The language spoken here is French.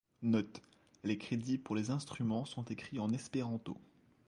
Note: les crédits pour les instruments sont écrits en espéranto.